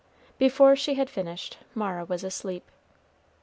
Before she had finished, Mara was asleep.